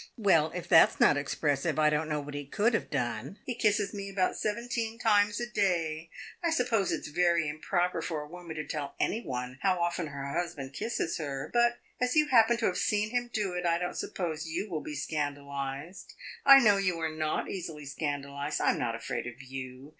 Well, if that 's not expressive, I don't know what he could have done. He kisses me about seventeen times a day. I suppose it 's very improper for a woman to tell any one how often her husband kisses her; but, as you happen to have seen him do it, I don't suppose you will be scandalized. I know you are not easily scandalized; I am not afraid of you.